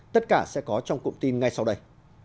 tất cả sẽ có trong cụm tin ngay sau đây